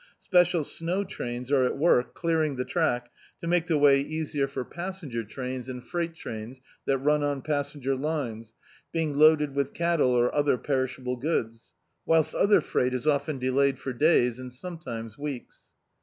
Special snow trains are at work clearing the track to make the way easier for passen Dn.icdt, Google A Prisoner His Own Judge ger trains and freight trains that run on passenger lines, being loaded with cattle or other perishable goods; whilst other freight is often delayed for days, and sometimes weeks.